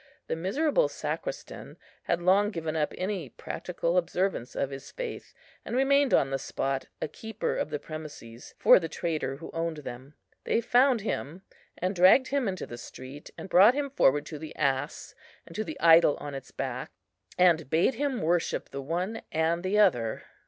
The miserable sacristan had long given up any practical observance of his faith, and remained on the spot a keeper of the premises for the trader who owned them. They found him, and dragged him into the street, and brought him forward to the ass, and to the idol on its back, and bade him worship the one and the other.